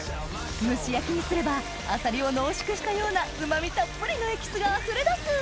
蒸し焼きにすればアサリを濃縮したようなうまみたっぷりのエキスがあふれ出す！